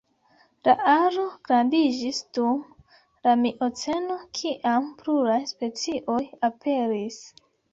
La aro grandiĝis dum la mioceno kiam pluraj specioj aperis.